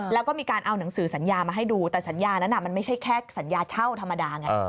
แล้วก็มีการเอาหนังสือสัญญามาให้ดูแต่สัญญานั้นมันไม่ใช่แค่สัญญาเช่าธรรมดาไง